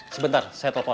sebentar saya telepon